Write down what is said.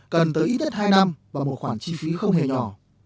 cần tới ít nhất hai năm và một khoản chi phí không hề nhỏ